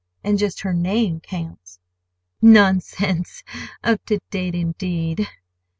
And just her name counts." "Nonsense! Up to date, indeed!"